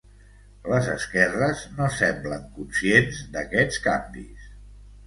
Les esquerres no semblen conscients d'aquests canvis.